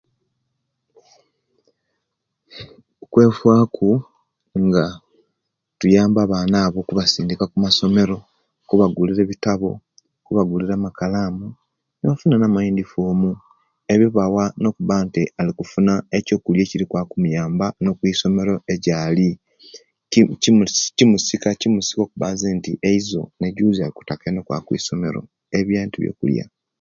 Kwefaaku nga tuywmba abaana aabo kubatwaala okuisomero , kubagulira ebitabo, kubagulira amakalaamu, nebafuna namayunifoomu, ebibawa nokubanti alikufuna necokulya eciri kwaba okumuyamba okwisomero egyaali, kimu kims Kimusika kimussiba okuba nzenti eizo ne'juuzi asobola okwaaba okwisomero ebintu byokulia.